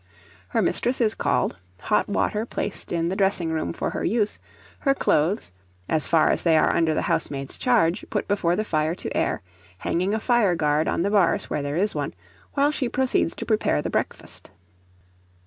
Her mistress is called, hot water placed in the dressing room for her use, her clothes as far as they are under the house maid's charge put before the fire to air, hanging a fire guard on the bars where there is one, while she proceeds to prepare the breakfast.